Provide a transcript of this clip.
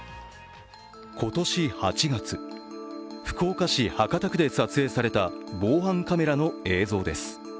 今年８月、福岡市博多区で撮影された防犯カメラの映像です。